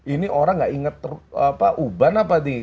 ini orang gak inget apa uban apa di